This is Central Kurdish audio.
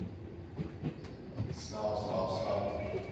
سیپاڵم هەڵگرت و بوومە هاووەتاغی حەمە ڕەشادی